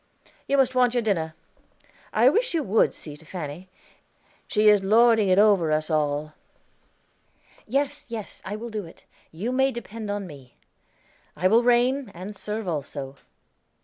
You must want your dinner. I wish you would see to Fanny; she is lording it over us all." "Yes, yes, I will do it; you may depend on me. I will reign, and serve also."